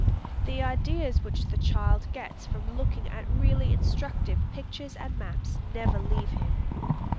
The ideas which the child gets from looking at really instructive pictures and maps, never leave him.